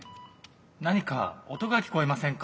何か音が聞こえませんか？